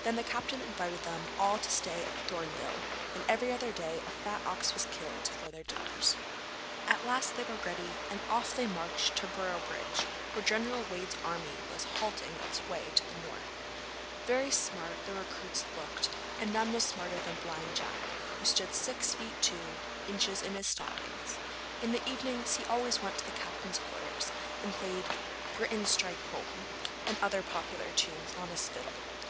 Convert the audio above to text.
Then the captain invited them all to stay at Thorneville, and every other day a fat ox was killed for their dinners. At last they were ready, and off they marched to Boroughbridge, where General Wade's army was halting on its way to the north. Very smart the recruits looked, and none was smarter than Blind Jack, who stood six feet two inches in his stockings. In the evenings he always went to the captain's quarters, and played 'Britons, strike home,' and other popular tunes, on his fiddle.